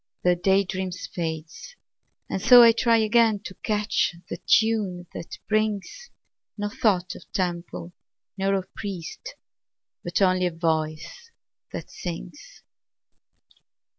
The day dream fades and so I try Again to catch the tune that brings No thought of temple nor of priest, But only of a voice that sings.